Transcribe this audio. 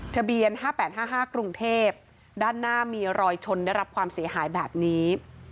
ทะเบียน๕๘๕๕กรุงเทพด้านหน้ามีรอยชนได้รับความเสียหายแบบนี้